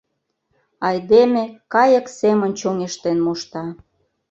Айдеме кайык семын чоҥештен мошта.